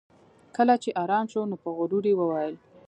کله چې ارام شو نو په غرور یې وویل